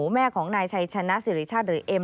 แม่ของนายชัยชนะสิริชาติหรือเอ็ม